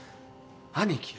兄貴。